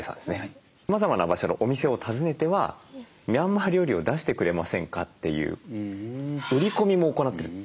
さまざまな場所のお店を訪ねては「ミャンマー料理を出してくれませんか」という売り込みも行ってる。